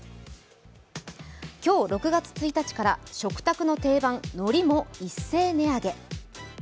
今日６月１日から食卓の定番、海苔も一斉値上げ。